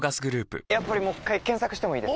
やっぱりもう一回検索してもいいですか？